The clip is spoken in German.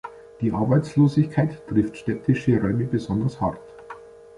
Die Arbeitslosigkeit trifft städtische Räume besonders hart.